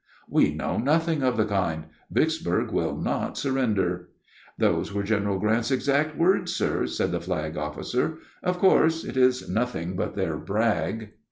"We know nothing of the kind. Vicksburg will not surrender." "Those were General Grant's exact words, sir," said the flag officer. "Of course it is nothing but their brag."